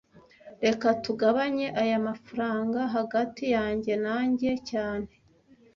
Reka tugabanye aya mafranga hagati yanjye nanjye cyane